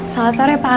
selamat sore pak